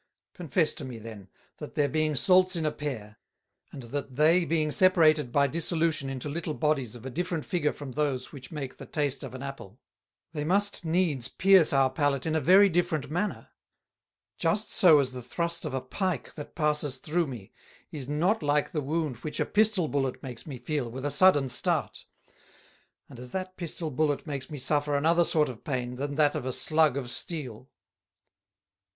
Confess to me then, that there being Salts in a Pear, and that they being separated by Dissolution into little Bodies of a different Figure from those which make the Taste of an Apple, they must needs pierce our Pallate in a very different manner: Just so as the thrust of a Pike, that passes through me, is not like the Wound which a Pistol Bullet makes me feel with a sudden start; and as that Pistol Bullet makes me suffer another sort of Pain than that of a Slug of Steel.